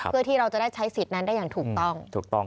เพื่อที่เราจะได้ใช้สิทธิ์นั้นได้อย่างถูกต้อง